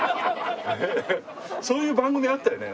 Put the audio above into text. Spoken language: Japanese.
そういう番組あったよね？